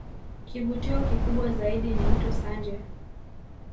Kivutio kikubwa zaidi ni Mto Sanje